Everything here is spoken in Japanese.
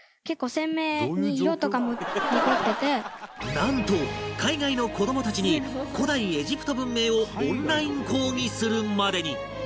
なんと海外の子どもたちに古代エジプト文明をオンライン講義するまでに